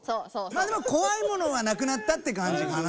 まあでも怖いものはなくなったって感じかな。